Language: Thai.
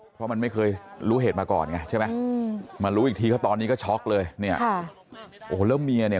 เพราะมันไม่เคยรู้เหตุมาก่อนไงใช่ไหมมารู้อีกทีก็ตอนนี้ก็ช็อกเลยเนี่ยโอ้โหแล้วเมียเนี่ย